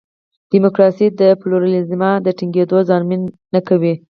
ډیموکراسي د پلورالېزم د ټینګېدو ضامن نه کوي.